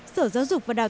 sở giáo dục và đại học